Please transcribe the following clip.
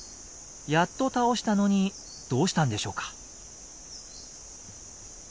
やっと倒したのにどうしたんでしょうか？